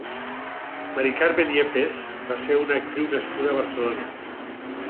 Mari Carmen Yepes va ser una actriu nascuda a Barcelona.